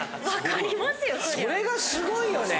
それがすごいよね。